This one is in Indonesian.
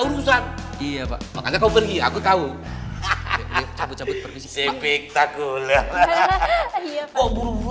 urusan iya pak makanya kau pergi aku tahu hahaha cepet cepet pergi sepik takulah hahaha kok buru buru